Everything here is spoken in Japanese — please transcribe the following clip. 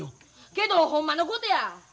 けどほんまのことや！